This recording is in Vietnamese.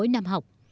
sau mỗi năm học